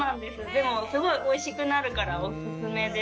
でもすごいおいしくなるからおすすめです。